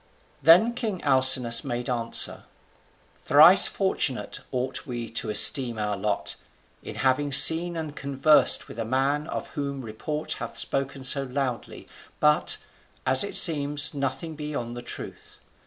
Then king Alcinous made answer: "Thrice fortunate ought we to esteem our lot, in having seen and conversed with a man of whom report hath spoken so loudly, but, as it seems, nothing beyond the truth.